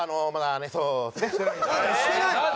してないの？